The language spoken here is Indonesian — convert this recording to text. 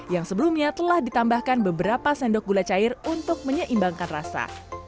yang sebelumnya telah ditambahkan beberapa sendok gula cair untuk menyeimbangkan rasa